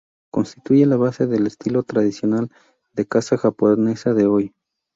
Constituye la base del estilo tradicional de casa japonesa de hoy.